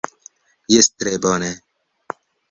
Jes tre bone!